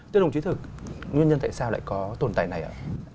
thưa đồng chí thực nguyên nhân tại sao lại có tồn tại này ạ